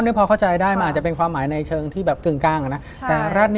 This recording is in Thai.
ไม่รู้ค่ะอยู่ในเน็ต